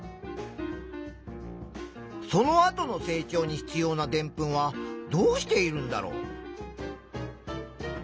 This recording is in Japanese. そのあとの成長に必要なでんぷんはどうしているんだろう。